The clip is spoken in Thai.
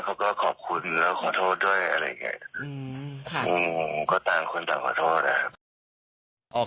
คุณก็ตามคุณตามขอโทษนะครับ